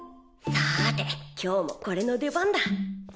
さて今日もこれの出番だ。